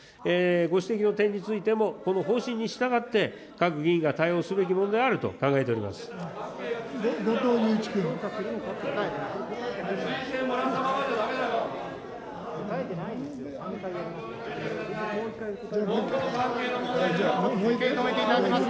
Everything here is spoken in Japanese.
ご指摘の点についても、この方針に従って、各議員が対応すべきものであると考えております。